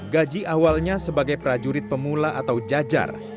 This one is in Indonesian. gaji awalnya sebagai prajurit pemula atau jajar